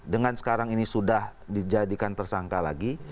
dengan sekarang ini sudah dijadikan tersangka lagi